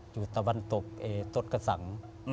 อยู่ตะวันตกโต๊ะกระสั่ง